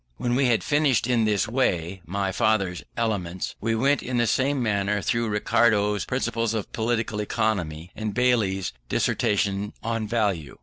When we had finished in this way my father's Elements, we went in the same manner through Ricardo's Principles of Political Economy, and Bailey's Dissertation on Value.